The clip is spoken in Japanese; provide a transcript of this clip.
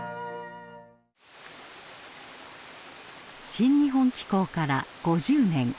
「新日本紀行」から５０年。